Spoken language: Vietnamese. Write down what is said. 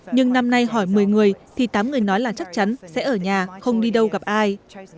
nhưng năm nay hỏi một mươi người thì tám người nói là chắc chắn sẽ ở nhà không đi đâu gặp ai